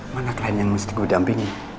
mana klien yang mesti gue dampingi